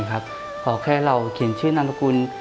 ขอแค่เขียนชื่อนามตะกุล